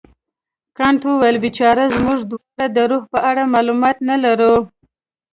کانت وویل بیچاره موږ دواړه د روح په اړه معلومات نه لرو.